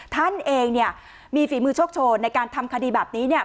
ท่านเองเนี่ยมีฝีมือโชคโชนในการทำคดีแบบนี้เนี่ย